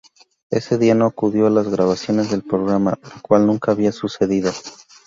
Ese día no acudió a las grabaciones del programa, lo cual nunca había sucedido.